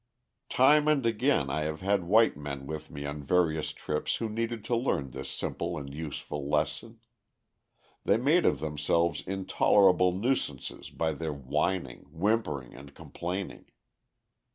Time and again I have had white men with me on various trips who needed to learn this simple and useful lesson. They made of themselves intolerable nuisances by their whining, whimpering, and complaining.